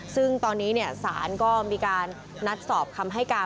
ซึ่งตอนนี้ศาลก็มีการนัดสอบคำให้การ